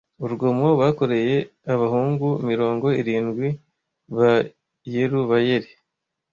urugomo bakoreye abahungu mirongo irindwi ba Yerubayali